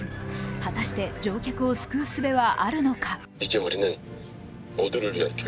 果たして乗客を救うすべはあるのか。